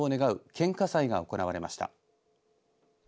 献菓祭が行われました。